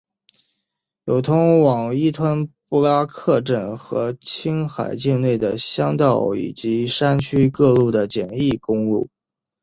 有通往依吞布拉克镇和青海境内的乡道以及山区各处的简易公路。